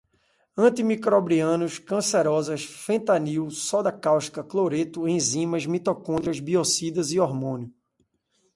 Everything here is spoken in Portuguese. antimicrobianos, cancerosas, fentanil, soda cáustica, cloreto, enzimas, mitocôndrias, biocidas, hormônio